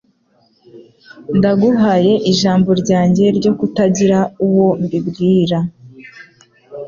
Ndaguhaye ijambo ryanjye ryo kutagira uwo mbibwira.